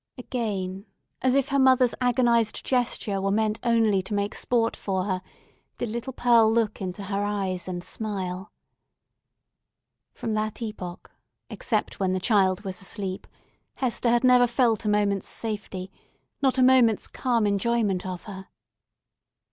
Again, as if her mother's agonised gesture were meant only to make sport for her, did little Pearl look into her eyes, and smile. From that epoch, except when the child was asleep, Hester had never felt a moment's safety: not a moment's calm enjoyment of her.